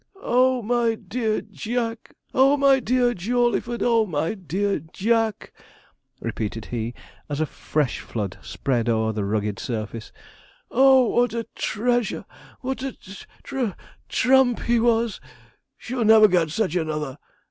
'Oh, my dear Jack! Oh, my dear Jawleyford! Oh, my dear Jack! 'repeated he, as a fresh flood spread o'er the rugged surface. 'Oh, what a tr reasure, what a tr tr trump he was. Shall never get such another.